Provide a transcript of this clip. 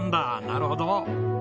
なるほど。